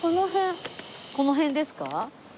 この辺ですか？